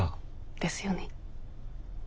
ですよね。